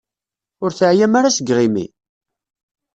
Ur teεyam ara seg yiɣimi?